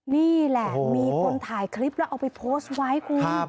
นี่แหละมีคนถ่ายคลิปแล้วเอาไปโพสต์ไว้คุณ